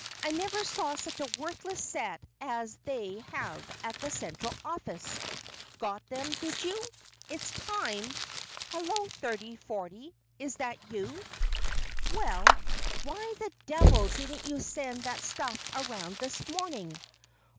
I never saw such a worthless set as they have at that Central Office. Got them, did you? It's time! Hello, 3040, is that you? Well, why the devil didn't you send that stuff around this morning?